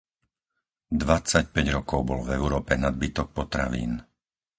Dvadsaťpäť rokov bol v Európe nadbytok potravín.